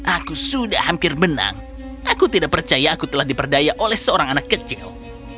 aku sudah hampir menang aku tidak percaya aku telah diperdaya oleh seorang anak kecil